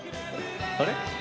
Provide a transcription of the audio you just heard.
あれ？